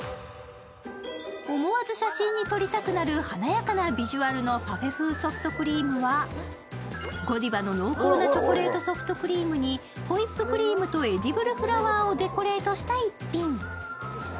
思わず写真に撮りたくなる華やかなビジュアルのパフェ風ソフトクリームはＧＯＤＩＶＡの濃厚なチョコレートソフトクリームにホイップクリームとエディブルフラワーをデコレートした逸品。